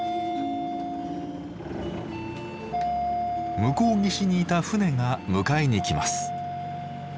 向こう岸にいた船が迎えに来ます。